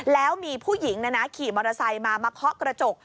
แล้วมีผู้หญิงขี่มอเตอร์ไซค์มามาเคาะกระจก